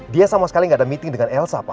dia sama sekali gak ada meeting dengan elsa pak